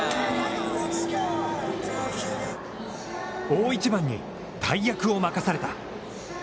大一番に大役を任された。